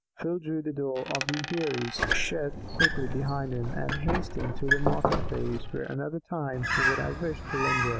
Phil drew the door of the Heirie's shed quickly behind him, and hastened through the market place, where another time he would have wished to linger.